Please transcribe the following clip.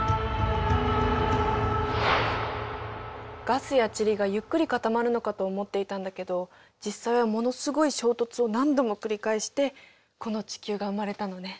ガスや塵がゆっくり固まるのかと思っていたんだけど実際はものすごい衝突を何度も繰り返してこの地球が生まれたのね。